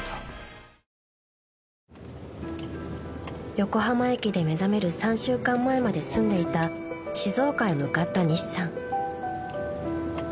［横浜駅で目覚める３週間前まで住んでいた静岡へ向かった西さん］